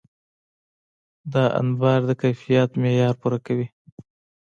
دا انبار د کیفیت معیار پوره کوي.